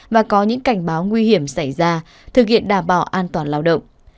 và có những cảnh báo nguy hiểm xảy ra thực hiện đảm bảo an toàn lao động